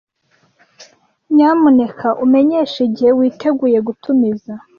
Nyamuneka umenyeshe igihe witeguye gutumiza.